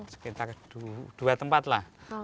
sekitar dua tempat lah